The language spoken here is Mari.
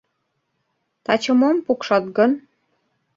Таче мом, пукшат гын?